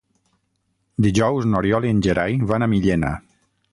Dijous n'Oriol i en Gerai van a Millena.